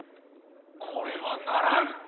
これはならん。